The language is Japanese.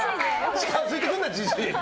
近づいてくんな、ジジイ！